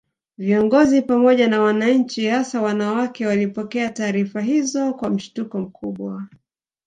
Viongozi pamoja na wananchi hasa wanawake walipokea taarifa hizo kwa mshtuko mkubwa